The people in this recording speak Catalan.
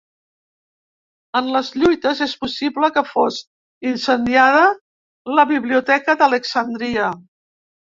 En les lluites és possible que fos incendiada la biblioteca d'Alexandria.